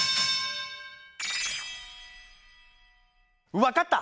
わかった！